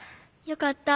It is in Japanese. よかった。